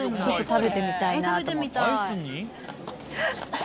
食べてみたい。